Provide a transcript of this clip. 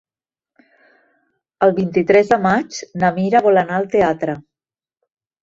El vint-i-tres de maig na Mira vol anar al teatre.